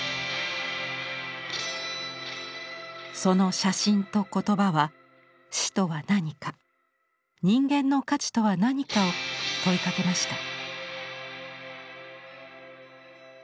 その写真と言葉は死とは何か人間の価値とは何かを問いかけました。